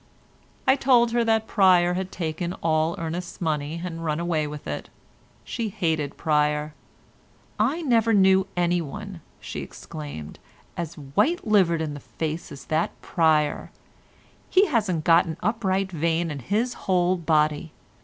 I told her that Pryer had taken all Ernest's money and run away with it. She hated Pryer. "I never knew anyone," she exclaimed, "as white livered in the face as that Pryer; he hasn't got an upright vein in his whole body.